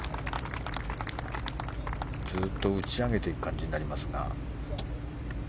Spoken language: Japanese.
ずっと打ち上げていく感じになります。